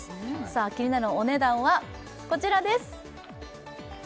さあ気になるお値段はこちらです